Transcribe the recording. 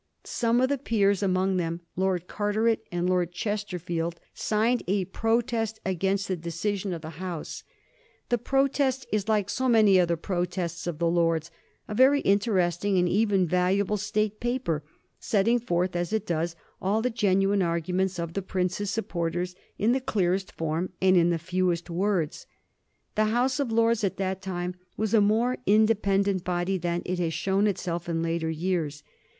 .Some of the peers, among them Lord Carteret and Lord Chesterfield, signed a pro test against the decision of the House. The protest is like so many other protests of the Lords — a very interest ing and even valuable State paper, setting forth as it does all the genuine arguments of the prince's supporters in the clearest form and in the fewest words. The House of Lords at that time was a more independent body than it has shown itself in later years.